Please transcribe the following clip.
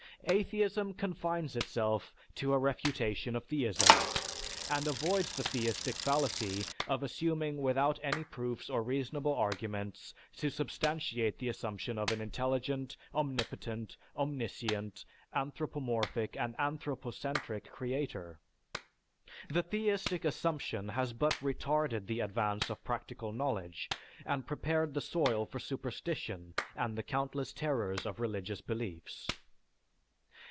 Atheism confines itself to a refutation of theism, and avoids the theistic fallacy of assuming without any proofs or reasonable arguments to substantiate the assumption of an intelligent, omnipotent, omniscient, anthropomorphic, and anthropocentric creator. The theistic assumption has but retarded the advance of practical knowledge, and prepared the soil for superstition and the countless terrors of religious beliefs.